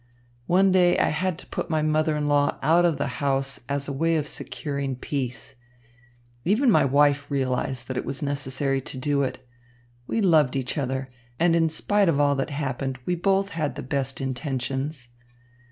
One day I had to put my mother in law out of the house as a way of securing peace. Even my wife realised that it was necessary to do it. We loved each other, and in spite of all that happened, we both had the best intentions.